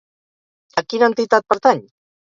A quina entitat pertany?